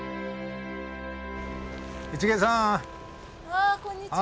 あこんにちは。